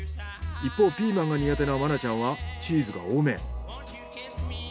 一方ピーマンが苦手な真奈ちゃんはチーズが多め。